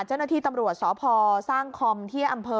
เจ้าหน้าที่ตำรวจสพสร้างคอมที่อำเภอ